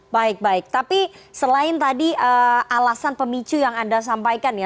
baik baik tapi selain tadi alasan pemicu yang anda sampaikan ya